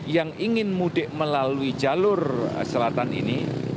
yang ingin mudik melalui jalur selatan ini